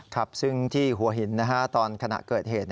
ครับซึ่งที่หัวหินตอนขณะเกิดเหตุ